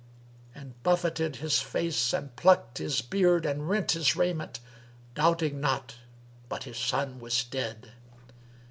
and buffeted his face and plucks his beard and rent his raiment, doubting not but his son was dead.